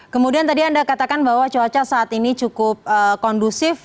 kemudian tadi anda katakan bahwa cuaca saat ini cukup kondusif